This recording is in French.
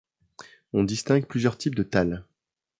On distingue plusieurs types de thalles.